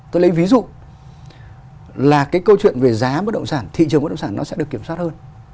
tôi lấy ví dụ là cái câu chuyện về giá bất động sản thị trường bất động sản nó sẽ được kiểm soát hơn